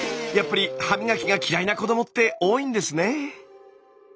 やっぱり歯磨きが嫌いな子どもって多いんですね。